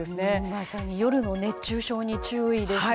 まさに夜の熱中症に注意ですね。